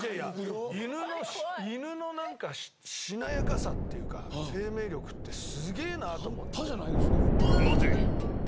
犬のなんかしなやかさっていうか生命力ってすげえなと思って。